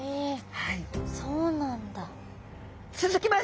はい。